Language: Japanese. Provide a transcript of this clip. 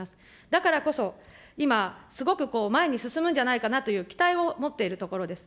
だからこそ、今、すごく前に進むんじゃないかなという期待をもっているところです。